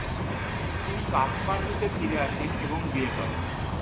তিনি কাঠমান্ডুতে ফিরে আসেন এবং বিয়ে করেন।